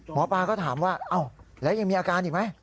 หมอปลาก็ถามว่าอ้าวแล้วยังมีอาการอีกไหม